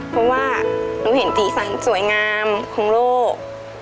เพราะว่าหนูเห็นสีสันสวยงามของโลก